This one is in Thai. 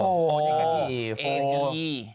โอ้โหเนกทีฟ